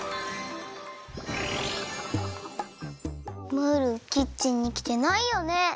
ムールキッチンにきてないよね？